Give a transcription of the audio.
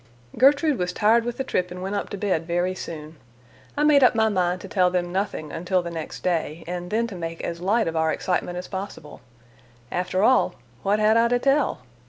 Gertrude was tired with the trip and went up to bed very soon. I made up my mind to tell them nothing; until the next day, and then to make as light of our excitement as possible. After all, what had I to tell?